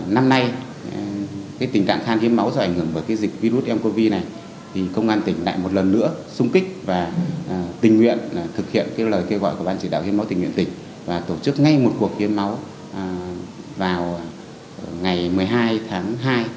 năm nay tình trạng khan hiếm máu do ảnh hưởng bởi dịch virus ncov này thì công an tỉnh lại một lần nữa sung kích và tình nguyện thực hiện lời kêu gọi của ban chỉ đạo hiến máu tỉnh nguyện tỉnh và tổ chức ngay một cuộc hiến máu vào ngày một mươi hai tháng hai